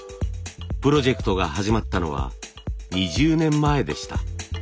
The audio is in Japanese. プロジェクトが始まったのは２０年前でした。